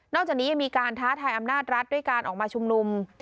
จากนี้ยังมีการท้าทายอำนาจรัฐด้วยการออกมาชุมนุม